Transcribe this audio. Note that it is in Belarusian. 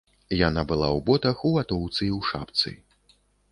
Яна была ў ботах, у ватоўцы і ў шапцы.